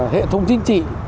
hệ thống chính trị